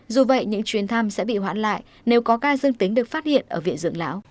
dù vậy những chuyến thăm sẽ bị hoãn lại nếu có ca dương tính được phát hiện ở viện dựng lão